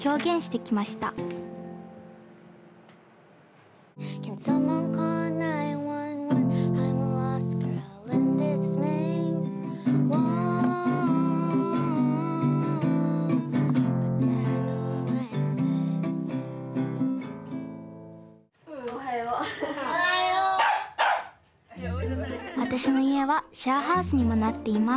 わたしのいえはシェアハウスにもなっています。